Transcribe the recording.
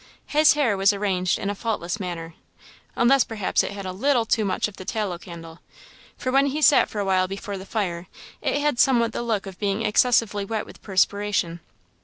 His hair was arranged in a faultless manner unless, perhaps, it had a little too much of the tallow candle; for when he had sat for a while before the fire, it had somewhat the look of being excessively wet with perspiration.